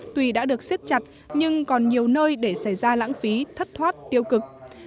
tuy đã được siết chặt nhưng còn nhiều nơi để xảy ra lãng phí thất thoát tiêu cực